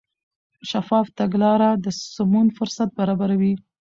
شفاف تګلاره د سمون فرصت برابروي.